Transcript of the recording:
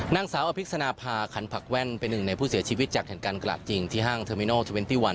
นางสาวอภิกษณภาขันผักแว่นเป็นหนึ่งในผู้เสียชีวิตจากเหตุการณ์กราดยิงที่ห้างเทอร์มินอลเทอร์เวนตี้วัน